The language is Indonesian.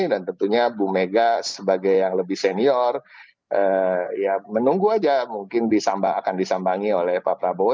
dan tentunya ibu megawati sebagai yang lebih senior ya menunggu aja mungkin akan disambangi oleh pak prabowo